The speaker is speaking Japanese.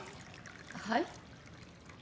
はい？